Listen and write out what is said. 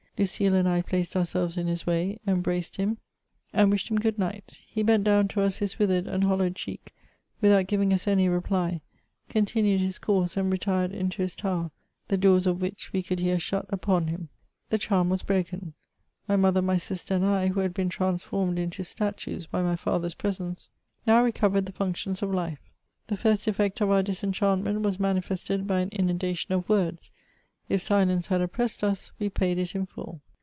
Lucile and I placed ourselves in his way, embraced him, and wished him ^ood night. He bent down to us his withered and hollow cheek, without giving us any reply, continued his course, and retired into his tower, the do«rs of which we could hear shut upon him. The charm was broken ; my mother, my sister, and I, who had been transformed into statues by my father's presence. 124 MEMOIRS OF now recoTered the fimctions of life. The first effect of our disenchantment was manifested hy an inundation of words ; if silence had oppressed us, we paid it in full.